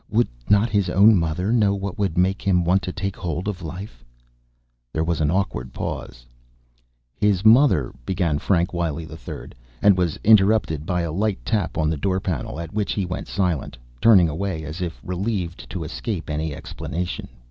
"Would not his own mother know what would make him want to take hold on life?" There was an awkward pause. "His mother," began Frank Wiley III and was interrupted by a light tap on the door panel, at which he went silent, turning away as if relieved to escape any explanation.